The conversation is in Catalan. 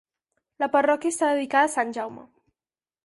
La parròquia està dedicada a Sant Jaume.